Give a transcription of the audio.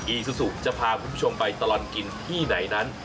อีซูซูจะพาคุณผู้ชมไปตลอดกินที่ไหนนั้น